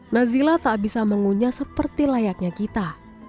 nazila tak bisa mengunyah seperti layaknya kita